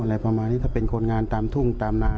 อะไรประมาณนี้ถ้าเป็นคนงานตามทุ่งตามนา